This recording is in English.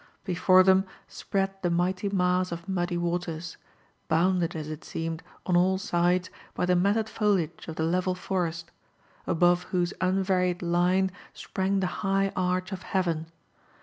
Before them spread the mighty mass of muddy waters; bounded, as it seemed, on all sides by the matted foliage of the level forest, above whose un varied line sprang the high arch of heaven.